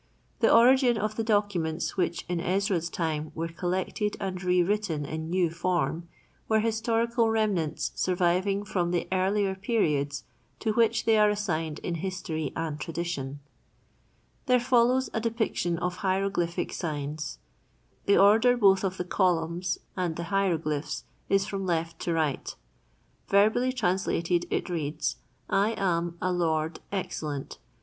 The origin of the documents which in Ezra's time were collected and re written in new form, were historical remnants surviving from the earlier periods to which they are assigned in history and tradition. [Illustration: HIEROGLYPHS AND TRANSLATION.] The order both of the columns and the hieroglyphs is from left to right. Verbally translated it reads: 1. nuk neb aamt I am a lord excellent 2.